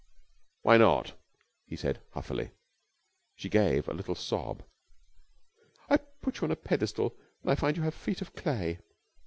"Why not?" he said huffily. She gave a little sob. "I put you on a pedestal and I find you have feet of clay.